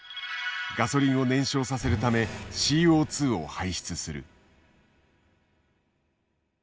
ガソリンを燃焼させるためＣＯを排出する。